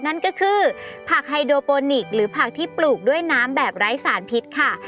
นั่นก็คือผักไฮโดโปนิกหรือผักที่ปลูกด้วยน้ำแบบไร้สารพิษค่ะ